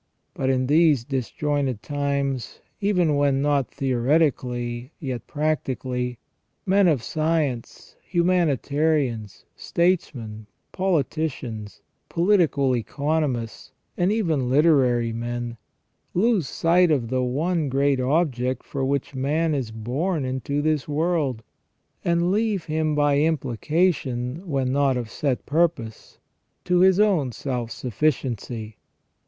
But in these disjointed times, even when not theoretically, yet practically, men of science, humanitarians, statesmen, politicians, political economists, and even literary men, lose sight of the one great object for which man is born into this world, and leave him by implication, when not of set purpose,. to his own self sufficiency.